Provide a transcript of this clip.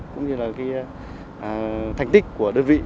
cũng như là thành tích của đơn vị